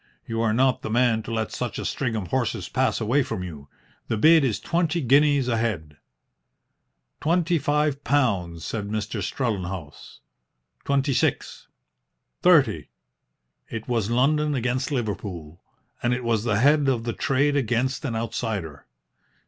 You are not the man to let such a string of horses pass away from you. The bid is twenty guineas a head." "Twenty five pounds," said Mr. Strellenhaus. "Twenty six." "Thirty." It was London against Liverpool, and it was the head of the trade against an outsider.